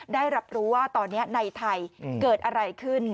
ได้รับรู้ว่าตอนนี้ในไทยเกิดอะไรขึ้น